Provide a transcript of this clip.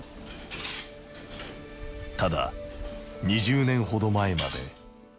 ただ２０年ほど前まで。